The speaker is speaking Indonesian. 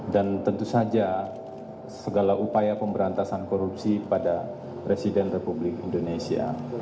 dan tentu saja segala upaya pemberantasan korupsi pada residen republik indonesia